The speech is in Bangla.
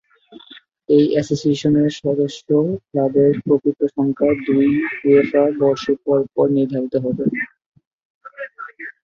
এই অ্যাসোসিয়েশনের সদস্য ক্লাবের প্রকৃত সংখ্যা দুই উয়েফা বর্ষ পর পর নির্ধারিত হবে।